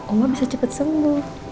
oma bisa cepet sembuh